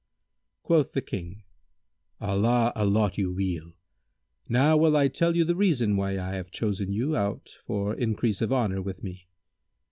Quoth the King, "Allah allot you weal! Now will I tell you the reason why I have chosen you out for increase of honour with me.